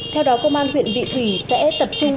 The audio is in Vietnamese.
theo đó công an huyện vị thủy sẽ tập trung phát triển